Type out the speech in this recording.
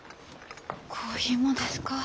コーヒーもですか。